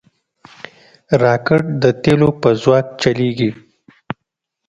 راکټ د تیلو په ځواک چلیږي